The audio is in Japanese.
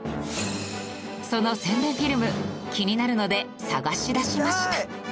その宣伝フィルム気になるので探し出しました。